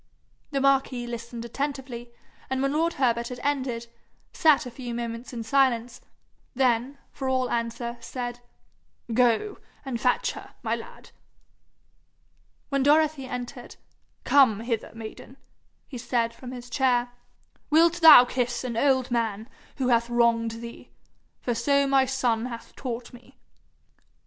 The marquis listened attentively, and when lord Herbert had ended, sat a few moments in silence; then, for all answer, said, 'Go and fetch her, my lad.' When Dorothy entered, 'Come hither, maiden,' he said from his chair. 'Wilt thou kiss an old man who hath wronged thee for so my son hath taught me?'